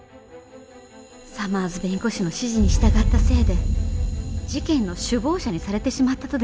サマーズ弁護士の指示に従ったせいで事件の首謀者にされてしまったとです。